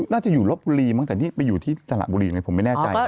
น่าจะอยู่รถบุรีบ้างแต่นี่ไปอยู่ที่ตลาดบุรีเลยผมไม่แน่ใจ